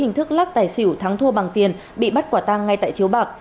hình thức lắc tài xỉu thắng thua bằng tiền bị bắt quả tăng ngay tại chiếu bạc